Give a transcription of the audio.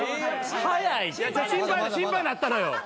心配になったのよ。